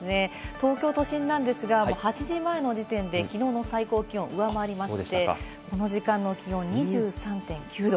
東京都心ですが、８時前の時点で昨日の最高気温を上回りまして、この時間の気温は２３．９度。